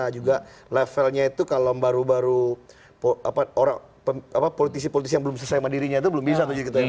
juga levelnya itu kalau baru baru politisi politisi yang belum selesai sama dirinya itu belum bisa tuh